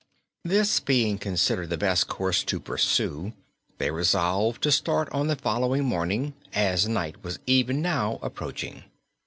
This being considered the best course to pursue, they resolved to start on the following morning, as night was even now approaching.